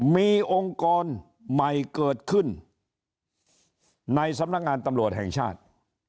มีองค์กรใหม่เกิดขึ้นในสำนักงานตำรวจแห่งชาติ